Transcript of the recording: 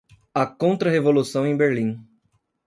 A Contra-Revolução em Berlim